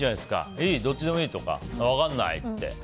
いい、どっちでもいいとか分からないとか。